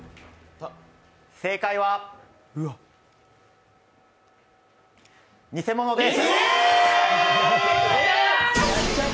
正解は偽物です！